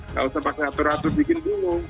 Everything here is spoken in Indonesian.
nggak usah pasien atur atur bikin bunuh